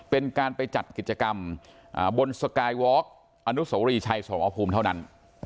เป็นการไปจัดกิจกรรมบนสกายวอล์กอนุสวรีชัยสมภูมิเท่านั้น